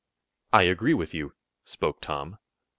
"I agree with you," spoke Tom.